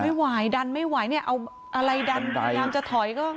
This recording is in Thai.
ไม่ไหวดันไม่ไหวเนี่ยเอาอะไรดันพยายามจะถอยก็